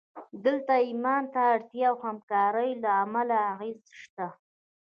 دلته ایمان ته د اړتیا او همکارۍ له امله اغېز شته